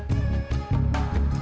si diego udah mandi